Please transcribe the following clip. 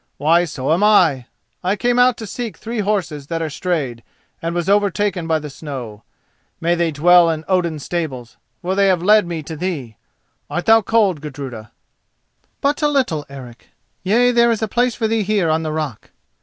Why, so am I. I came out to seek three horses that are strayed, and was overtaken by the snow. May they dwell in Odin's stables, for they have led me to thee. Art thou cold, Gudruda?" "But a little, Eric. Yea, there is place for thee here on the rock."